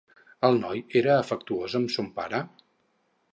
El noi era afectuós amb son pare?